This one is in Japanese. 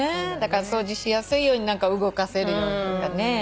掃除しやすいように動かせるように。